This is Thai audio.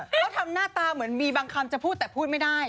เขาทำหน้าตาเหมือนมีบางคำจะพูดแต่พูดไม่ได้